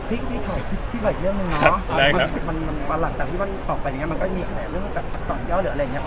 พี่ถ่อยอีกเรื่องหนึ่งเนอะวันหลังจากที่มันออกไปมันก็มีเรื่องกับสอนเยาะหรืออะไรอย่างนี้